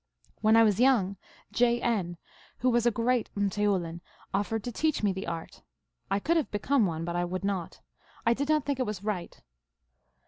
u When I was young, J. N., who was a great rrfte oulin, offered to teach me the art. I could have be come one, but I would not. I did not think it was right.